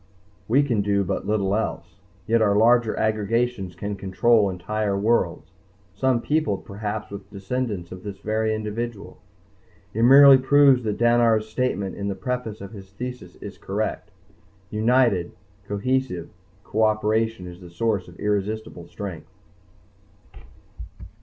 We can do but little else, yet our larger aggregations can control entire worlds, some peopled perhaps with descendants of this very individual. It merely proves that Dannar's statement in the preface of his Thesis is correct._ "United, cohesive cooperation is the source of irresistible strength."